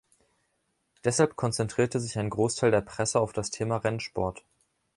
Deshalb konzentrierte sich ein Großteil der Presse auf das Thema Rennsport.